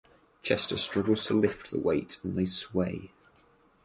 Chester struggles to lift the weight and they sway.